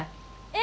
え！